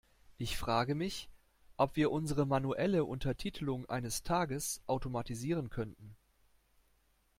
Ich frage mich, ob wir unsere manuelle Untertitelung eines Tages automatisieren könnten.